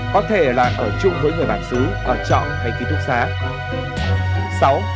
có thể là ở chung với người bản xứ ở trọng hay ký túc xá